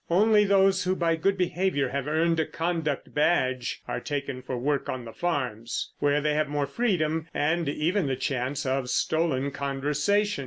Only those who by good behaviour have earned a conduct badge are taken for work on the farms, where they have more freedom and even the chance of stolen conversation.